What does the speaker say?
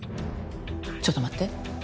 ちょっと待って。